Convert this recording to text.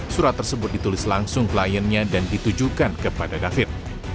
surat tersebut ditulis langsung kliennya dan ditujukan kepada david